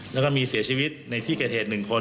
แล้วก็มีเสียชีวิตในที่เกิดเหตุ๑คน